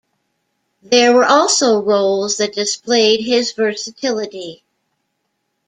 There were also roles that displayed his versatility.